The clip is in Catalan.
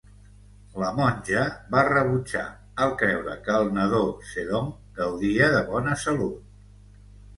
La monja va rebutjar, al creure que el nadó Zedong gaudia de bona salut.